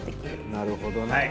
なるほどな。